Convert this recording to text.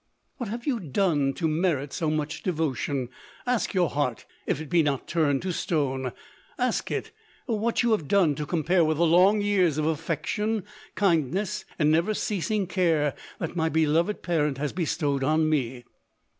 What have you done to merit so much devotion ? Ask your heart — if it be not turned to stone, ask it what you have done to compare with the long years of affec tion, kindness, and never ceasing care that my beloved parent has bestowed on me.